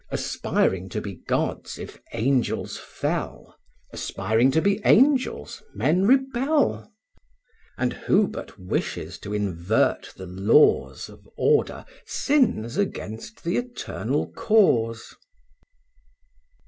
Aspiring to be gods, if angels fell, Aspiring to be angels, men rebel: And who but wishes to invert the laws Of order, sins against the Eternal Cause.